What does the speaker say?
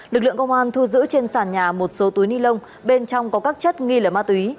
lực lượng công an thu giữ trên sàn nhà một số túi ni lông bên trong có các chất nghi là ma túy